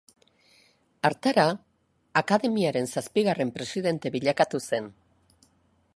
Hartara, akademiaren zazpigarren presidente bilakatu zen.